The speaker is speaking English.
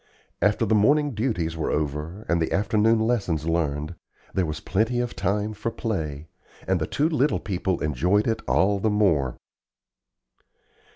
After the morning duties were over, and the afternoon lessons learned, there was plenty of time for play, and the two little people enjoyed it all the more.